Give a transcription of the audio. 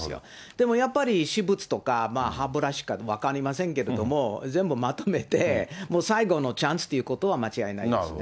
でもやっぱり、私物とか歯ブラシかわかりませんけれども、全部まとめて、もう最後のチャンスっていうことは間違いないですね。